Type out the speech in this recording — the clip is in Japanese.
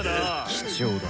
貴重だ。